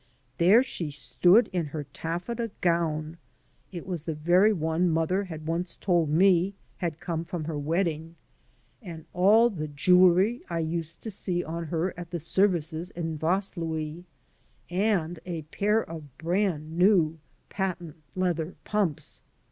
There she stood in her taflFeta gown • (it was the very one mother had once told me had come 75 AN AMERICAN IN THE MAKING from her wedding) and all the jewelry I used to see on her at the services in Vaslui, and a pair of brand new patent leather pumps.